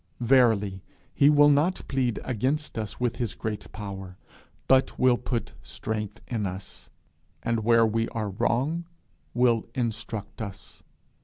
Verily he will not plead against us with his great power, but will put strength in us, and where we are wrong will instruct us.